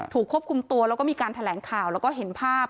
ควบคุมตัวแล้วก็มีการแถลงข่าวแล้วก็เห็นภาพ